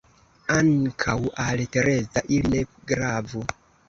Ankaŭ al Tereza ili ne gravu.